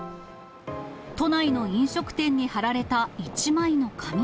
都内の飲食店に貼られた一枚の紙。